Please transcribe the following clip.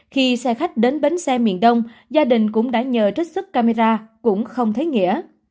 khi xe khách đến bến xe miền đông gia đình cũng đã nhờ trích xuất camera cũng không thấy nghĩa